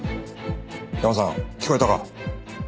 ヤマさん聞こえたか？